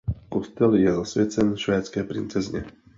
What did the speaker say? Kostel je zasvěcen švédské princezně.